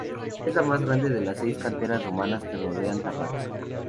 Es la más grande de las seis canteras romanas que rodean Tarraco.